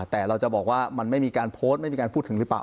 แต่เราจะบอกว่ามันไม่มีการโพสต์ไม่มีการพูดถึงหรือเปล่า